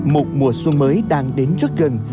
một mùa xuân mới đang đến rất gần